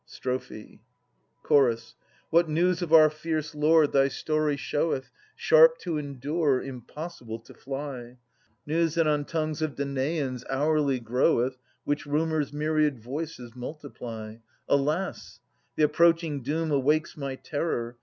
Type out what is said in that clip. Strophe. Ch. What news of our fierce lord thy story showeth. Sharp to endure, impossible to fly ! News that on tongues of Danaans hourly groweth Which Rumour's myriad voices multiply! Alas! the approaching doom awakes my terror.